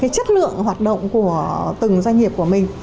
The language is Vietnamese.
chất lượng hoạt động của từng doanh nghiệp của mình